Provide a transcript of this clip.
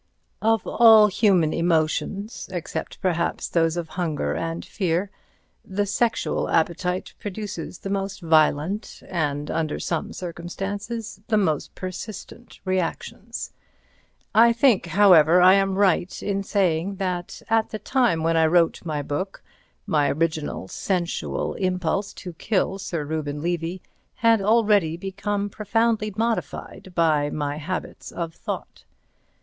Of all human emotions, except perhaps those of hunger and fear, the sexual appetite produces the most violent and, under some circumstances, the most persistent reactions; I think, however, I am right in saying that at the time when I wrote my book, my original sensual impulse to kill Sir Reuben Levy had already become profoundly modified by my habits of thought.